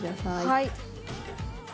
はい。